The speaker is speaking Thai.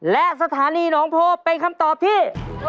และสถานีหนองโพเป็นคำตอบที่